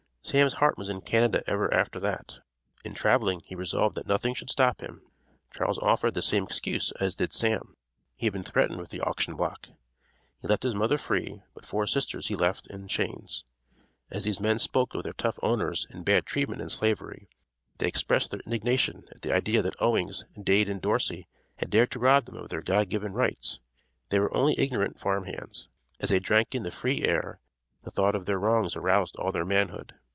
Sam's heart was in Canada ever after that. In traveling he resolved that nothing should stop him. Charles offered the same excuse as did Sam. He had been threatened with the auction block. He left his mother free, but four sisters he left in chains. As these men spoke of their tough owners and bad treatment in Slavery, they expressed their indignation at the idea that Owings, Dade and Dorsey had dared to rob them of their God given rights. They were only ignorant farm hands. As they drank in the free air, the thought of their wrongs aroused all their manhood.